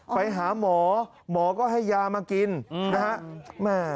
ไปหาหมอหมอก็ให้ยามากินนะฮะ